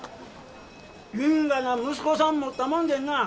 因果な息子さん持ったもんでんなあ。